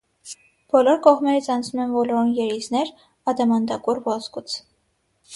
Բոլոր կողմերից անցնում են ոլորուն երիզներ՝ ադամանդակուռ ոսկուց։